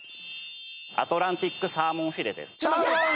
アトランティックサーモンフィレです。